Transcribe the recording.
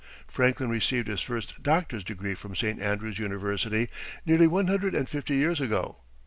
Franklin received his first doctor's degree from St. Andrews University, nearly one hundred and fifty years ago.